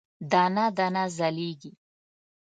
دانه، دانه ځلیږې